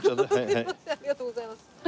ありがとうございます。